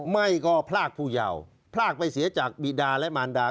ไม่ก็พรากผู้เยาว์พลากไปเสียจากบีดาและมารดา